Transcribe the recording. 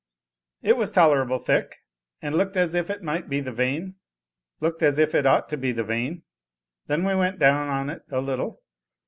"It was tolerable thick, and looked as if it might be the vein looked as if it ought to be the vein. Then we went down on it a little.